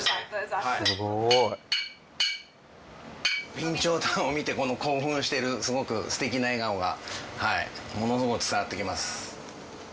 備長炭を見て興奮してるすごくすてきな笑顔がものすごく伝わってきます。